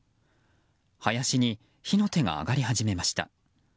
林に火の手が上がり始めました。